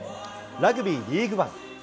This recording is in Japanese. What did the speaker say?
ラグビーリーグワン。